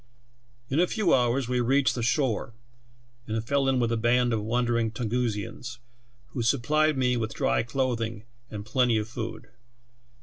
In a few hours we reached the shore and fell in with a band of wandering Tungusians, who supplied me with dry clothing and plenty of food.